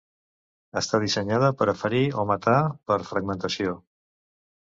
Està dissenyada per a ferir o matar per fragmentació.